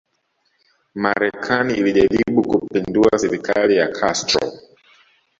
Marekani ilijaribu kuipindua serikali ya Castro